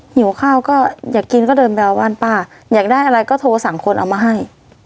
หิวข้าวก็อยากกินก็เดินไปเอาบ้านป้าอยากได้อะไรก็โทรสั่งคนเอามาให้